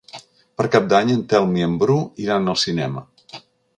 Per Cap d'Any en Telm i en Bru iran al cinema.